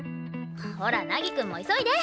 ほら凪くんも急いで！